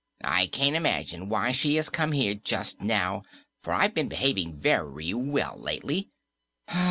I can't imagine why she has come here just now, for I've been behaving very well lately.